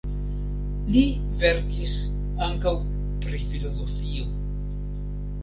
Li verkis ankaŭ pri filozofio.